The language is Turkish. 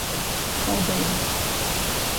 Ordaydım.